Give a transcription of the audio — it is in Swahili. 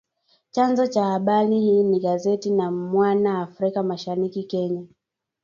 Chanzo cha habari hii ni gazeti la Mwana Afrika Mashariki, Kenya